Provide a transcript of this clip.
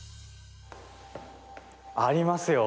ありますよ。